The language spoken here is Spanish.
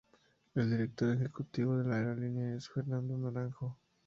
El director ejecutivo de la aerolíneas es Fernando Naranjo.